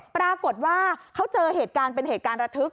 ปรากฏว่าเขาเจอเหตุการณ์เป็นเหตุการณ์ระทึก